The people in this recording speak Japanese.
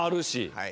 はい。